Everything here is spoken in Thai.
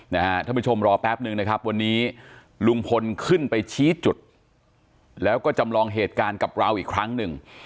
ท่านผู้ชมรอแป๊บนึงนะครับวันนี้ลุงพลขึ้นไปชี้จุดแล้วก็จำลองเหตุการณ์กับเราอีกครั้งหนึ่ง